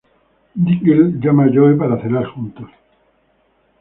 Dingle llama a Joe para cenar juntos.